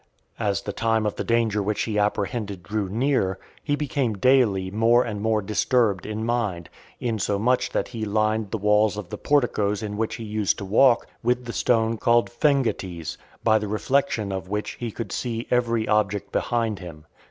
As the time of the danger which he apprehended drew near, he became daily more and more disturbed in mind; insomuch that he lined the walls of the porticos in which he used to walk, with the stone called Phengites , by the reflection of which he could see every object behind him.